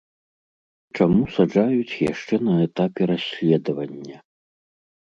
Чаму саджаюць яшчэ на этапе расследавання?